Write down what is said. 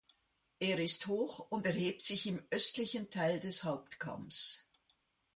Er ist hoch und erhebt sich im östlichen Teil des Hauptkamms.